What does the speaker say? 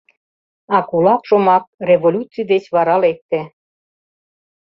А «кулак» шомак революций деч вара лекте.